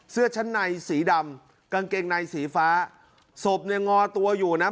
เสื้อชั้นในสีดำกางเกงในสีฟ้าศพเนี่ยงอตัวอยู่นะ